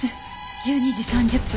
１２時３０分。